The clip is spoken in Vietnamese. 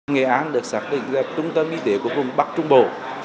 nghệ án được xác định ra trung tâm y tế của vùng bắc trung bộ